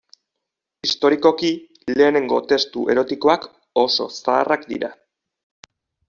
Historikoki lehenengo testu erotikoak oso zaharrak dira.